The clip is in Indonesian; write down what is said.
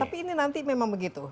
tapi ini nanti memang begitu